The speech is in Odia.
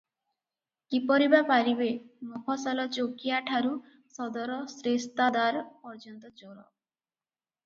କିପରି ବା ପାରିବେ, ମଫସଲ ଚୌକିଆ ଠାରୁ ସଦର ଶ୍ରେସ୍ତାଦାର ପର୍ଯ୍ୟନ୍ତ ଚୋର ।